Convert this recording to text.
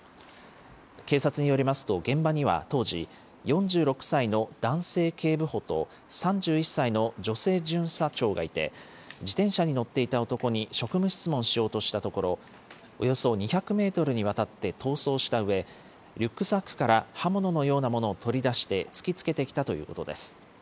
警察によりますと、現場には当時、４６歳の男性警部補と３１歳の女性巡査長がいて、自転車に乗っていた男に職務質問しようとしたところ、およそ２００メートルにわたって逃走したうえ、リュックサックから刃物のようなものを取り出して突きつけてきたということです。